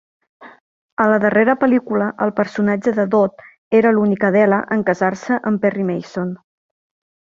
A la darrera pel·lícula el personatge de Dodd era l'única Della en casar-se amb Perry Mason.